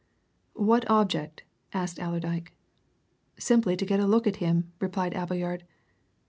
"What object?" asked Allerdyke. "Simply to get a look at him," replied Appleyard.